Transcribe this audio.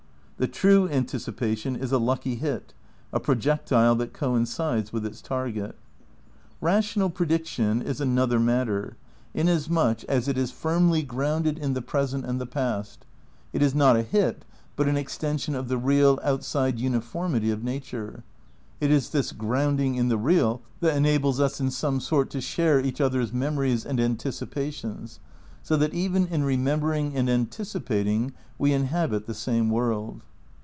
The true anticipation is a lucky hit, a projectile that coincides with its target. Rational prediction is another matter, inasmuch as ' A Study in Realism, pp. 52, 53. 28 THE NEW IDEALISM n it is firmly grounded in the present and the past: it is not a hit, but an extension of the real, outside uni formity of nature. It is this grounding in the real that enables us in some sort to share each other's memories and anticipations, so that even in remembering and anticipating we inhabit the same world.